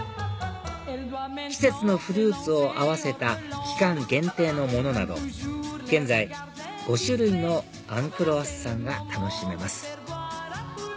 季節のフルーツを合わせた期間限定のものなど現在５種類のあんクロワッサンが楽しめます